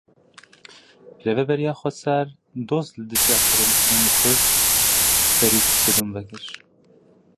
Rêveberiya Xweser doz li dijî akademîsyenê Kurd Ferîd Sedûn vekir.